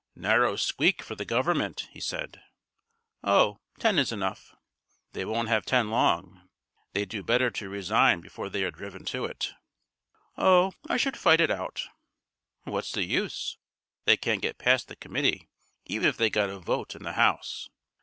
"Narrow squeak for the Government," he said. "Oh, ten is enough." "They won't have ten long. They'd do better to resign before they are driven to it." "Oh, I should fight it out." "What's the use. They can't get past the committee even if they got a vote in the House.